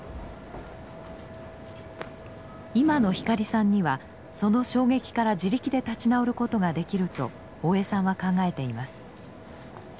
今の光さんにはその衝撃から自力で立ち直ることができると大江さんは考えています。